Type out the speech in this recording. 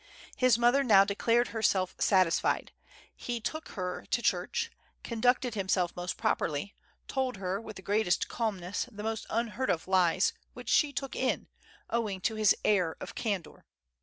His mother now declared herself satisfied ; he took her to church, conducted himself most properly, told her, with the greatest calmness, the most unheard of lies, which she took in, owing to his air of candor.